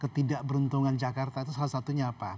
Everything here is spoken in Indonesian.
ketidakberuntungan jakarta itu salah satunya apa